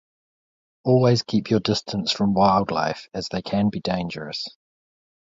Always keep your distance from wildlife, as they can be dangerous.